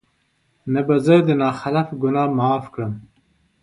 نه به زه د نا خلف ګناه معاف کړم